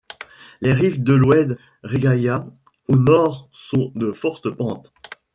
Les rives de l’Oued Réghaïa au nord sont de fortes pentes.